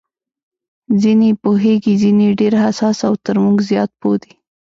ځینې یې پوهېږي، ځینې یې ډېر حساس او تر موږ زیات پوه دي.